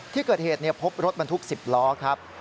ที่เกิดเหตุพบรถบรรทุก๑๐ล้อครับ